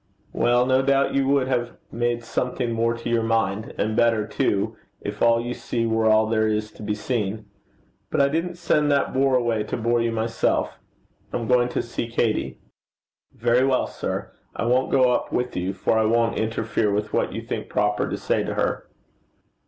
'Well, no doubt you would have made something more to your mind and better, too, if all you see were all there is to be seen. But I didn't send that bore away to bore you myself. I'm going to see Katey.' 'Very well, sir. I won't go up with you, for I won't interfere with what you think proper to say to her.'